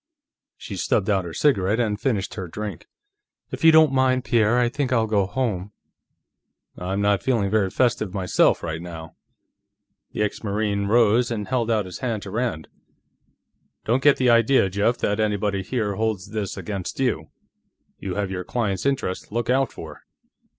She stubbed out her cigarette and finished her drink. "If you don't mind, Pierre, I think I'll go home." "I'm not feeling very festive, myself, right now." The ex Marine rose and held out his hand to Rand. "Don't get the idea, Jeff, that anybody here holds this against you. You have your clients' interests to look out for."